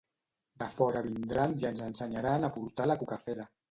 De fora vindran i ens ensenyaran a portar la cucafera.